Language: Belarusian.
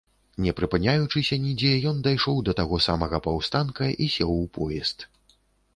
Не прыпыняючыся нідзе, ён дайшоў да таго самага паўстанка і сеў у поезд.